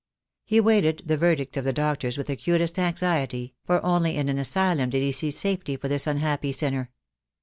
He waited the verdict of the doctors with acutest anxiety, for only in an asylum did he see safety for this unhappy sinner.